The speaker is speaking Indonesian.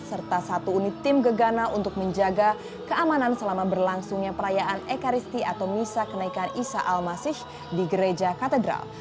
serta satu unit tim gegana untuk menjaga keamanan selama berlangsungnya perayaan ekaristi atau misa kenaikan isa al masihh di gereja katedral